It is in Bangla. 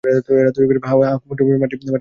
হা, কুমুদ মাটির পৃথিবীর কেহ নয়।